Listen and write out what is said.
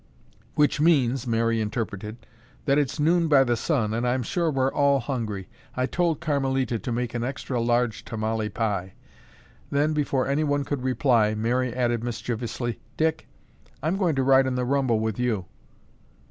"Which means," Mary interpreted, "that it's noon by the sun and I'm sure we're all hungry. I told Carmelita to make an extra large tamale pie." Then, before anyone could reply, Mary added mischievously: "Dick, I'm going to ride in the rumble with you."